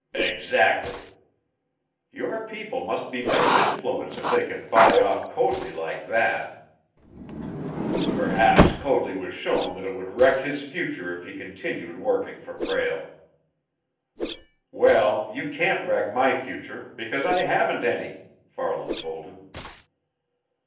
"Exactly!" "Your people must be men of influence if they can buy off Coadley like that!" "Perhaps Coadley was shown that it would wreck his future if he continued working for Prale." "Well, you can't wreck my future, because I haven't any," Farland told him.